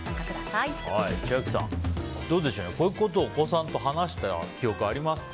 千秋さん、どうでしょうこういうことをお子さんと話した記憶ありますか？